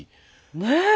ねえ！